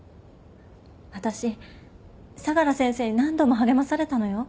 私相良先生に何度も励まされたのよ。